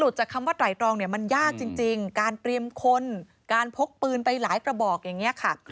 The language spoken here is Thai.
จากคำว่าไตรตรองเนี่ยมันยากจริงการเตรียมคนการพกปืนไปหลายกระบอกอย่างนี้ค่ะ